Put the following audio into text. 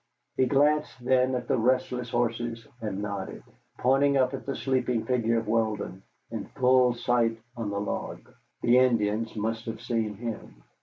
He glanced then at the restless horses and nodded, pointing up at the sleeping figure of Weldon, in full sight on the log. The Indians must have seen him.